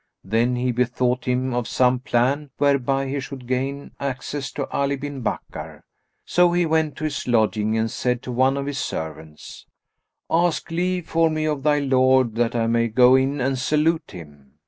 Then he bethought him of some plan whereby he should gain access to Ali bin Bakkar; so he went to his lodging, and said to one of his servants, "Ask leave for me of thy lord that I may go in and salute him."